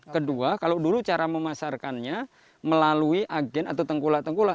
kedua kalau dulu cara memasarkannya melalui agen atau tengkulak tengkulak